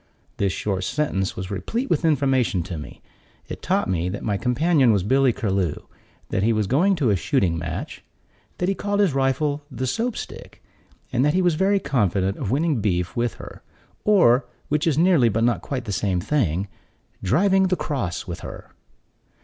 This short sentence was replete with information to me. It taught me that my companion was Billy Curlew; that he was going to a shooting match; that he called his rifle the Soap stick, and that he was very confident of winning beef with her; or, which is nearly, but not quite the same thing, driving the cross with her.